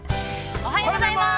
◆おはようございます！